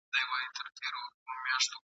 اعلان یې کړی پر ټوله ښار دی !.